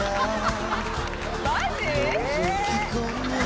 マジ？